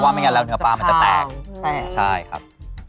ขึ้นมาต้องทานกับข้าวเหนียวด้วยไหมครับ